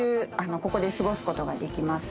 ここですごすことができます。